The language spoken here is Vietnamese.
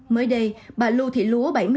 mới đây bà lưu thị lúa